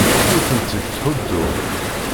Ur tent-id-ttḥudduɣ.